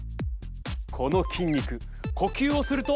この筋肉、呼吸をすると。